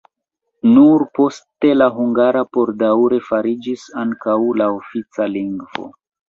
Nur poste la hungara por daŭre fariĝis ankaŭ la ofica lingvo.